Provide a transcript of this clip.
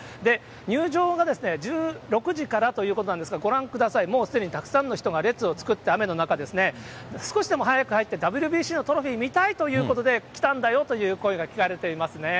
入場が１６時からということなんですが、ご覧ください、もうすでにたくさんの人が列を作って、雨の中ですね、少しでも早く入って、ＷＢＣのトロフィー見たいということで、来たんだよという声が聞かれていますね。